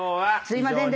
すいません。